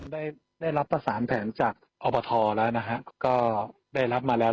ได้รับประสานแผนจากอบทแล้วนะฮะก็ได้รับมาแล้ว